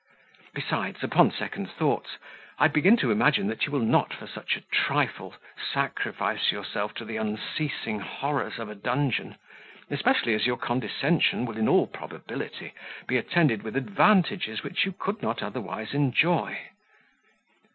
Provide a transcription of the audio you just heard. Besides, upon second thoughts, I begin to imagine that you will not for such a trifle sacrifice yourself to the unceasing horrors of a dungeon; especially as your condescension will in all probability be attended with advantages which you could not otherwise enjoy."